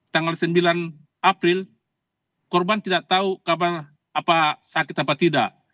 tanggal sembilan april korban tidak tahu kapan apa sakit apa tidak